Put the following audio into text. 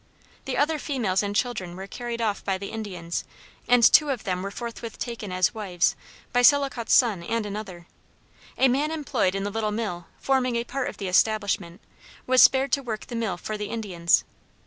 The other females and children were carried off by the Indians, and two of them were forthwith taken as wives by Sil aw kite's son and another. A man employed in the little mill, forming a part of the establishment, was spared to work the mill for the Indians.